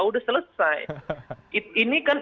sudah selesai ini kan